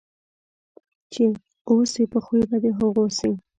چې اوسې په خوی په د هغو سې.